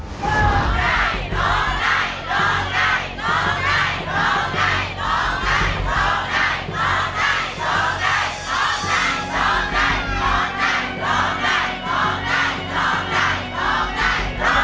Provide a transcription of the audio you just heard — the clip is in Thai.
โทษให้โทษให้โทษให้โทษให้